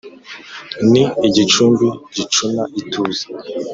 ni igicumbi gicuna ituze,